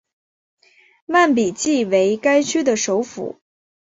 曼比季为该区的首府。